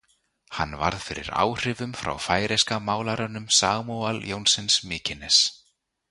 Hann varð fyrir áhrifum frá færeyska málaranum Sámual Joensen- Mikines.